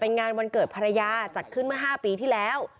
เป็นงานวันเกิดภรรยาจัดขึ้นเมื่อ๕ปีที่แล้ว